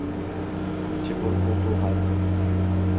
İçi burkulduğu halde…